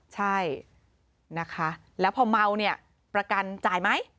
ใช่นะคะแล้วพอเมาเนี่ยประกันจ่ายไหม